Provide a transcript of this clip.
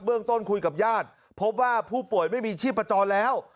เบื้องต้นคุยกับญาติพบว่าผู้ป่วยไม่มีชีพประจอดแล้ว